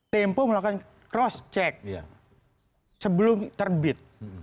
tempo melakukan cross check sebelum terbit